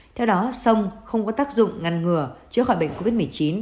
theo đó sông không có tác dụng ngăn ngừa chữa khỏi bệnh covid một mươi chín